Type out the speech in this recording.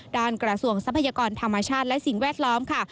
กระทรวงทรัพยากรธรรมชาติและสิ่งแวดล้อมค่ะ